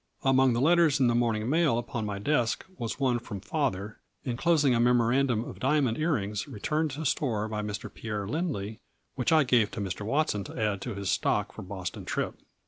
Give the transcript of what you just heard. Among the letters in the morning mail upon my desk was one from father, enclosing a " Memorandum of diamond ear rings returned to store by Mr. Pierre Lindley which I gave to Mr. Watson to add to his stock for Boston trip."